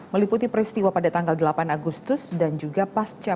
meliputi peristiwa pada tanggal delapan agustus dan juga pasca